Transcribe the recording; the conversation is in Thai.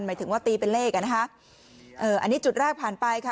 หมายถึงว่าตีเป็นเลขอ่ะนะคะเอ่ออันนี้จุดแรกผ่านไปค่ะ